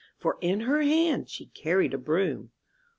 For in her hand she carried a broom.